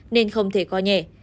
nên không thể co nhẹ